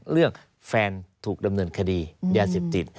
เรื่องแฟนถูกดำเนินคดียาสิบติด